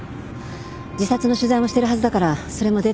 自殺の取材もしてるはずだからそれもデータで送って。